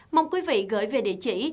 mong quý vị gửi về địa chỉ